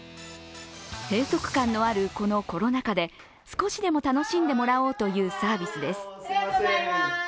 閉塞感のあるこのコロナ禍で、少しでも楽しんでもらおうというサービスです。